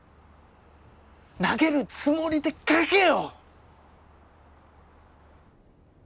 投げるつもりで書けよ！